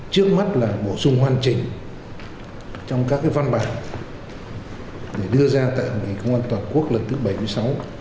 trước mắt là bổ sung hoàn chỉnh trong các cái văn bản để đưa ra tại bộ công an toàn quốc lần thứ bảy mươi sáu